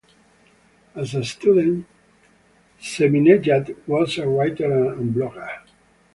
As a student, Saminejad was a writer and blogger.